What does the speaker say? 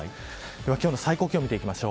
では今日の最高気温です。